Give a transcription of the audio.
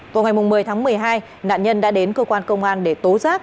vào ngày một mươi tháng một mươi hai nạn nhân đã đến cơ quan công an để tố giác